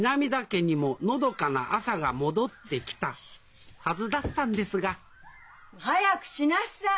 家にものどかな朝が戻ってきたはずだったんですが早くしなさい！